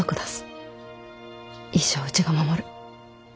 一生うちが守る。